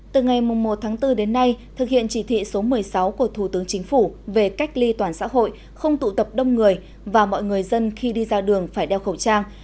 từ ngày một tháng bốn đến nay thực hiện chỉ thị số một mươi sáu của thủ tướng chính phủ về cách ly toàn xã hội không tụ tập đông người và mọi người dân khi đi ra đường phải đeo khẩu trang